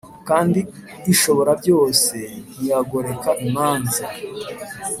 kandi ishoborabyose ntiyagoreka imanza